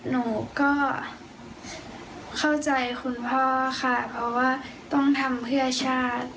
หนูก็เข้าใจคุณพ่อค่ะเพราะว่าต้องทำเพื่อชาติ